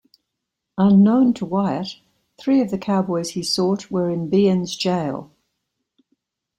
Unknown to Wyatt, three of the Cowboys he sought were in Behan's jail.